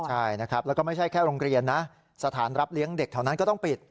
ใช่นะครับแล้วก็ไม่ใช่แค่โรงเรียนนะสถานรับเลี้ยงเด็กแถวนั้นก็ต้องปิด